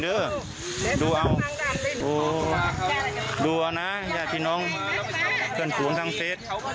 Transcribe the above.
ด้วยดูเอาโอ้โหดูเอานะอยากที่น้องเกินผลวงทั้งเศษ